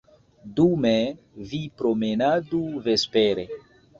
Dume vi promenadu vespere.